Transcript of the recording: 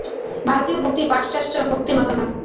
ভারতীয় ভক্তি পাশ্চাত্য ভক্তির মত নয়।